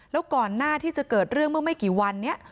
แล้วก่อนหน้าที่จะเกิดเรื่องเมื่อไม่กี่วันนี้